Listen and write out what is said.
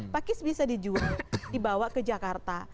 pakis bisa dijual dibawa ke jakarta